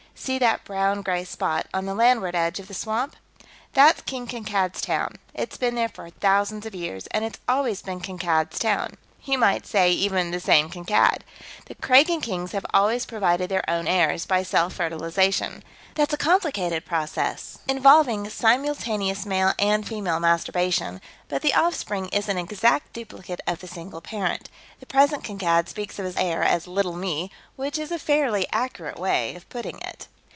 See that brown gray spot on the landward edge of the swamp? That's King Kankad's Town. It's been there for thousands of years, and it's always been Kankad's Town. You might say, even the same Kankad. The Kragan kings have always provided their own heirs, by self fertilization. That's a complicated process, involving simultaneous male and female masturbation, but the offspring is an exact duplicate of the single parent. The present Kankad speaks of his heir as 'Little Me,' which is a fairly accurate way of putting it."